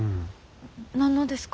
何のですか？